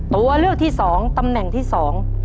ตัวเลือกที่สองตำแหน่งที่สอง